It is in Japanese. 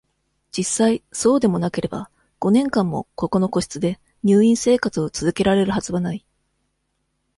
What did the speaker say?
実際、そうでもなければ、五年間も、ここの個室で、入院生活を続けられるはずはない。